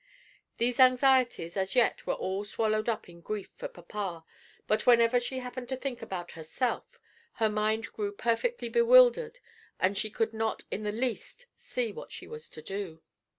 These anxieties as yet were all swallowed up in grief for papa, but whenever she happened to think about herself, her mind grew perfectly bewildered and she could not in the least see what she was to do.